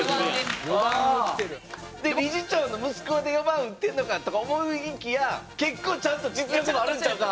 理事長の息子で４番打ってんのかとか思いきや結構ちゃんと実力もあるんちゃうか？